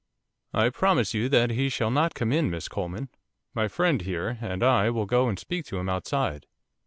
'I promise you that he shall not come in, Miss Coleman. My friend here, and I, will go and speak to him outside.